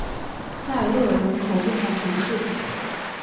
塞勒人口变化图示